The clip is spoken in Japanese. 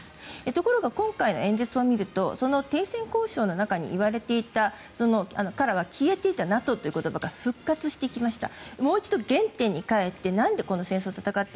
ところが今回の演説を見るとその停戦交渉の中に言われていた中から消えていたＮＡＴＯという言葉が復活してきました。